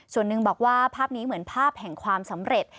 ส่วนหนึ่งบอกว่าภาพนี้เหมือนภาพแห่งความสำเร็จ